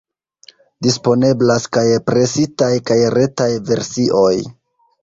Disponeblas kaj presitaj kaj retaj versioj.